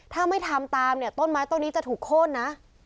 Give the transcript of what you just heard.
ถ้าไม่ทำตามเนี่ยต้นไม้ต้นนี้จะถูกโค้นนะ